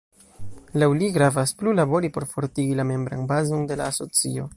Laŭ li gravas plu labori por fortigi la membran bazon de la asocio.